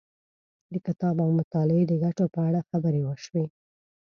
د کتاب او مطالعې د ګټو په اړه خبرې وشوې.